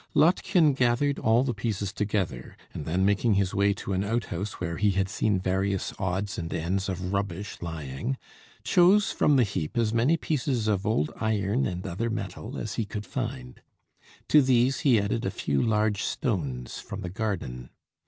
Lottchen gathered all the pieces together, and then making his way to an outhouse where he had seen various odds and ends of rubbish lying, chose from the heap as many pieces of old iron and other metal as he could find. To these he added a few large stones from the garden.